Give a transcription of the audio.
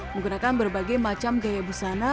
menggunakan berbagai macam gaya busana